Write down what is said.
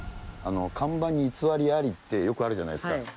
看板に偽りありってよくあるじゃないですか。